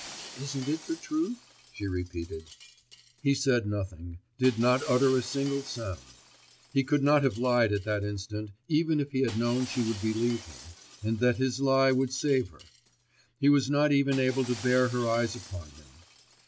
'Isn't it the truth?' she repeated. He said nothing, did not utter a single sound. He could not have lied at that instant, even if he had known she would believe him, and that his lie would save her; he was not even able to bear her eyes upon him.